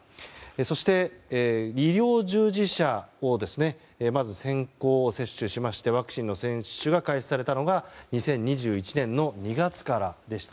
そして、医療従事者をまず先行接種しましてワクチンの接種が開始されたのが２０２１年の２月からでした。